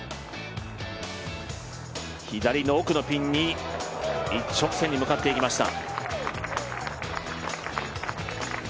左の奥のピンに一直線に向かっていきました。